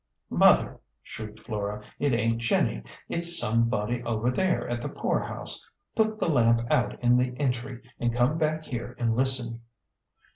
" Mother," shrieked Flora, " it ain't Jenny. It's some body over there at the poor house. Put the lamp out in the entry, and come back here and listen."